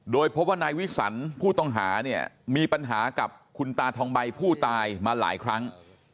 โดยพบว่านายวิสันผู้ต้องหาเนี่ยมีปัญหากับคุณตาทองใบผู้ตายมาหลายครั้ง